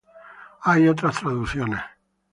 Hay otras traducciones.